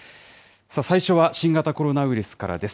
最初は新型コロナウイルスからです。